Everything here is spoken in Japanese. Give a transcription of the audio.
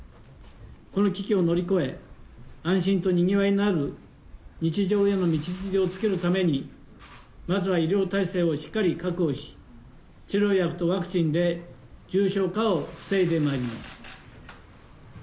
この危機を乗り越え、安心とにぎわいのある日常への道筋をつけるために、まずは医療体制をしっかり確保し、治療薬とワクチンで重症化を防いでまいります。